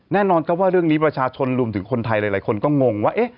แน่นอนครับว่าเรื่องนี้ประชาชนรวมถึงคนไทยหลายคนก็งงว่า